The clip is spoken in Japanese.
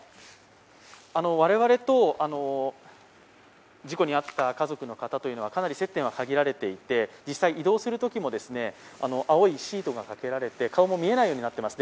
我々と、事故に遭った家族の方というのはかなり接点は限られていて、移動するときも青いシートがかけられて顔も見えないようになっています。